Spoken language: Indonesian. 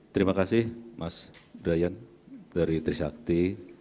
terima kasih mas brian dari trisakti